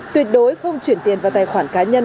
tuyệt đối không chuyển tiền vào tài khoản cá nhân